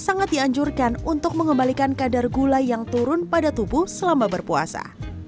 sangat dianjurkan untuk mengembalikan kadar gula yang turun pada tubuh selama berpuasa